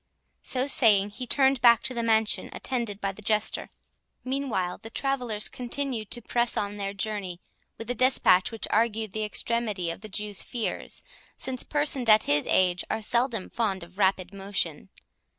So saying, he turned back to the mansion, attended by the Jester. Meanwhile the travellers continued to press on their journey with a dispatch which argued the extremity of the Jew's fears, since persons at his age are seldom fond of rapid motion.